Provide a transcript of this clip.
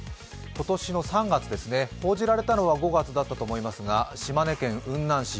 今年の３月、報じられたのは５月だったと思いますが島根県雲南市。